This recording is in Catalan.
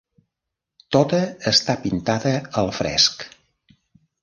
Tota està pintada al fresc.